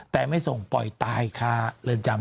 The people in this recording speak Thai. แต่ไม่ส่งปล่อยตายคาเรือนจำ